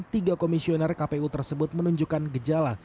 tiga komisioner kpu tersebut menunjukkan gejala